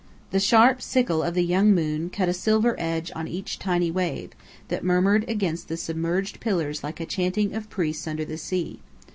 The sharp sickle of the young moon cut a silver edge on each tiny wave, that murmured against the submerged pillars like a chanting of priests under the sea.